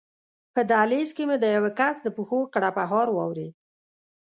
په دهلېز کې مې د یوه کس د پښو کړپهار واورېد.